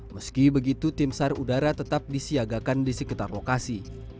meski begitu tim sarudara tetap disiagakan di sekitar lokasi